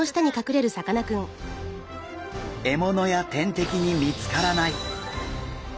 獲物や天敵に見つからない！